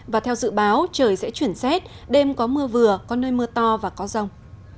và theo dự báo trời sẽ chuyển xét đêm có mưa vừa có nơi mưa to và có rông